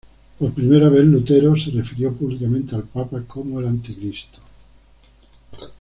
Por primera vez, Lutero se refirió públicamente al Papa como el Anticristo.